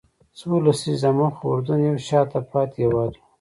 څو لسیزې دمخه اردن یو شاته پاتې هېواد و.